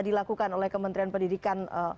dilakukan oleh kementerian pendidikan